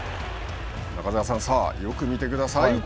中澤さん、よく見てください。